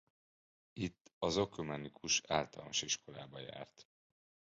Itt az Ökumenikus Általános Iskolába járt.